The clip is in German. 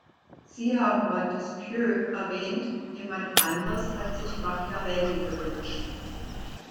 Sie haben Montesquieu erwähnt, jemand anders hat sich Machiavelli gewünscht.